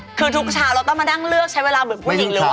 คือทุกเช้าเราต้องมานั่งเลือกใช้เวลาเหมือนผู้หญิงหรือว่า